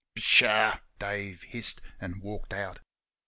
"Pshaw!" Dave hissed, and walked out.